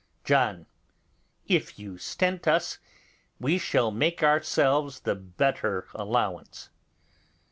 John. If you stint us, we shall make ourselves the better allowance.